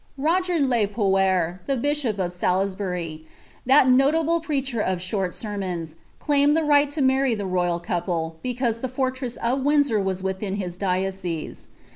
K~XagW le Poer, the bishop of Salisbury, ihal notable preacher of short ^■loiis, claimed ihe right to marty tlie royal pair, because iho fortress »Wind»or was within his diocese.